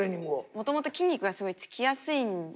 もともと筋肉がすごいつきやすいんですけど。